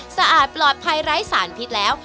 สะอาดปลอดภัยไร้สารพิษแล้ว